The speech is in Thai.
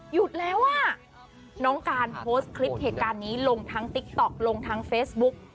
หยุดแล้วอ่ะน้องการโพสต์คลิปเหตุการณ์นี้ลงทั้งติ๊กต๊อกลงทั้งเฟซบุ๊ก